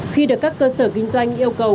khi được các cơ sở kinh doanh yêu cầu